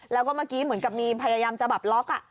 แล้วก็เมื่อกี้เหมือนกับมีพยายามจะแบบล็อก